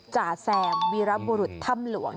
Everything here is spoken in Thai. จ่าแซมวีรบุรุษถ้ำหลวง